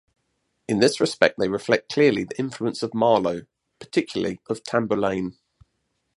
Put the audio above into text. In this respect, they reflect clearly the influence of Marlowe, particularly of "Tamburlaine".